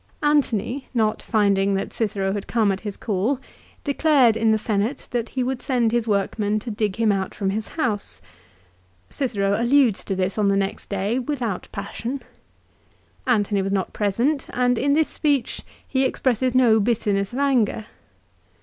Antony, not finding that Cicero had come at his call, declared in the Senate that he would send his workmen to dig him out from his house. Cicero alludes to this on the next day without passion. ' Antony was not present, and in this speech he expresses no bitterness of anger.